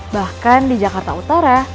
bahkan di jakarta utara